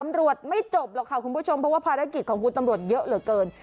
ตำรวจไม่จบหรอกค่ะคุณผู้ชมเพราะว่าภารกิจของคุณตำรวจเยอะเหลือเกิน